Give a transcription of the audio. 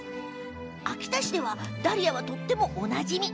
秋田市ではダリアはとってもおなじみ。